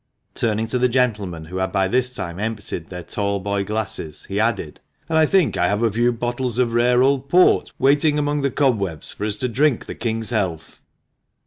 Turning to the gentlemen, who had by this time emptied their talboy glasses, he added, "And I think I have a few bottles of rare old port waiting among the cobwebs for us to drink the King's health."